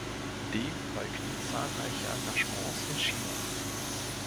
Dem folgten zahlreiche Engagements in China.